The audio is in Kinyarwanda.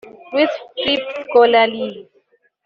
Luis Felips Scolari